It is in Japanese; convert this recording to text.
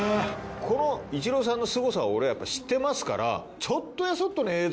このイチローさんのすごさを俺はやっぱり知ってますから。